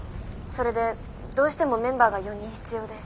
それでどうしてもメンバーが４人必要で。